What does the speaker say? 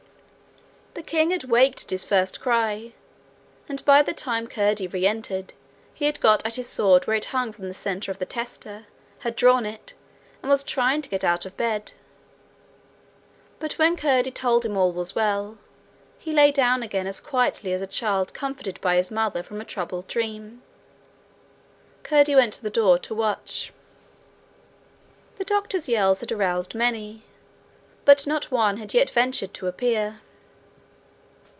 The king had waked at his first cry, and by the time Curdie re entered he had got at his sword where it hung from the centre of the tester, had drawn it, and was trying to get out of bed. But when Curdie told him all was well, he lay down again as quietly as a child comforted by his mother from a troubled dream. Curdie went to the door to watch. The doctor's yells had aroused many, but not one had yet ventured to appear.